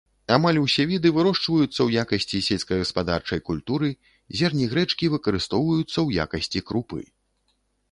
Амаль усе віды вырошчваюцца ў якасці сельскагаспадарчай культуры, зерні грэчкі выкарыстоўваюцца ў якасці крупы.